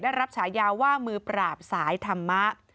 ได้รับฉายาวว่ามือปราบสายธรรมะ